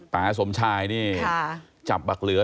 ป่าสมชายนี่จับบัครเหลือ